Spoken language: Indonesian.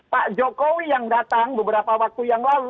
pak jokowi yang datang beberapa waktu yang lalu